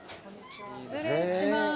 失礼します。